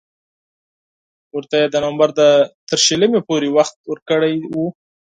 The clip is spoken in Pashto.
ورته یې د نومبر تر شلمې پورې وخت ورکړی وو.